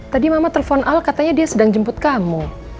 tadi mama telepon al katanya dia sedang jemput kamu